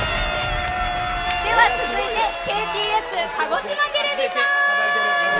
続いてＫＴＳ鹿児島テレビさん。